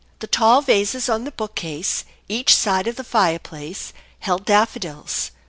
The tall vases on the bookcases each side of the fireplace held daffodils.